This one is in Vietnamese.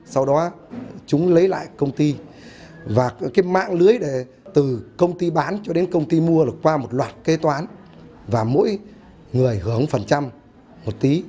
và cái mạng lưới từ công ty bán cho đến công ty mua là qua một loạt kế toán và mỗi người hưởng phần trăm một tí